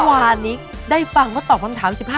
วันนี้ได้ฟังก็ตอบ๑๕คำถาม